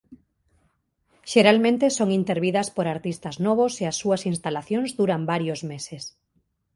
Xeralmente son intervidas por artistas novos e as súas instalacións duran varios meses.